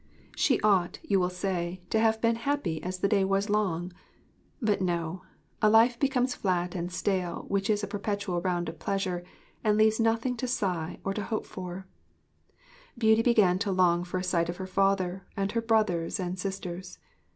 She ought, you will say, to have been happy as the day was long. But no: a life becomes flat and stale which is a perpetual round of pleasure and leaves nothing to sigh or to hope for. Beauty began to long for a sight of her father and her brothers and sisters.